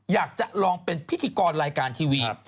อยากจะลองเป็นพิธีกรรายการทีวี